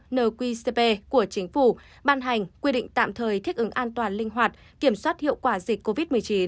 nqcp của chính phủ ban hành quy định tạm thời thích ứng an toàn linh hoạt kiểm soát hiệu quả dịch covid một mươi chín